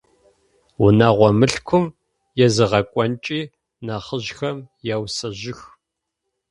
Унэгъо мылъкум изегъэкӏонкӏи нахьыжъхэм яусэжьых.